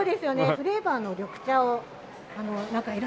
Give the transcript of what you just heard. フレーバーの緑茶。